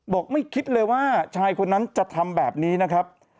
ไม่คิดเลยว่าชายคนนั้นจะทำแบบนี้นะครับ